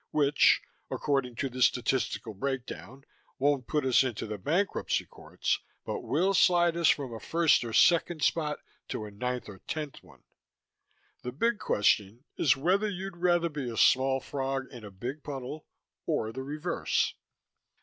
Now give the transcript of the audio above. Which (according to the statistical breakdown) won't put us into the bankruptcy courts, but will slide us from a first or second spot to a ninth or tenth one. The big question is whether you'd rather be a small frog in a big puddle or the reverse.